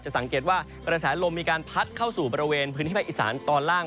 สังเกตว่ากระแสลมมีการพัดเข้าสู่บริเวณพื้นที่ภาคอีสานตอนล่าง